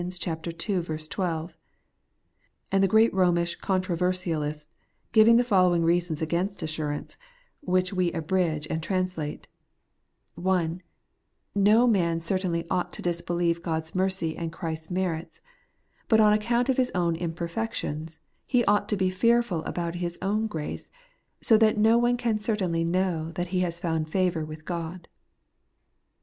12;' and the great Eomish controversialists give the following reasons against assurance, which we abridge and The Pardon arid the Peace made sure, 147 translate :— (1) No man certainly ought to disbelieve God's mercy and Christ's merits ; but on account of his own imperfections, he ought to be fearful about his own grace, so that no one can certainly know that he has found favour with God.